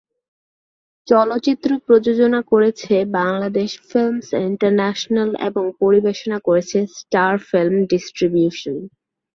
চলচ্চিত্রটি প্রযোজনা করেছে বাংলাদেশ ফিল্মস্ ইন্টারন্যাশনাল এবং পরিবেশনা করেছে স্টার ফিল্ম ডিস্ট্রিবিউশন।